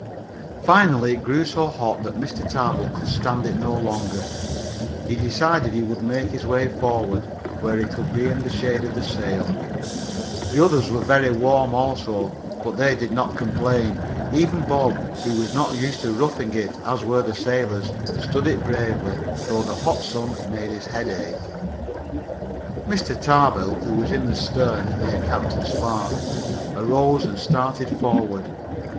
Finally it grew so hot that Mr. Tarbill could stand it no longer. He decided he would make his way forward, where he could be in the shade of the sail. The others were very warm also, but they did not complain. Even Bob, who was not used to roughing it as were the sailors, stood it bravely, though the hot sun made his head ache. Mr. Tarbill, who was in the stern, near Captain Spark, arose and started forward.